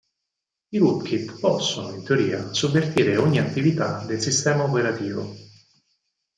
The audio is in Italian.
I Rootkit possono, in teoria, sovvertire ogni attività del sistema operativo.